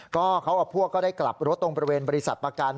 ก็เขากับพวกก็ได้กลับรถตรงบริเวณบริษัทประกัน